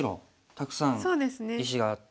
たくさん石があって。